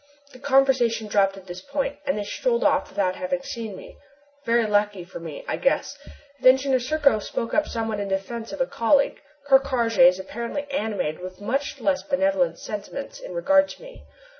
The conversation dropped at this point, and they strolled off without having seen me very luckily for me, I guess. If Engineer Serko spoke up somewhat in defence of a colleague, Ker Karraje is apparently animated with much less benevolent sentiments in regard to me.